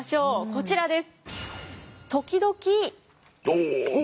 こちらです。